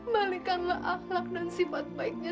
balikanlah akhlak dan sifat baiknya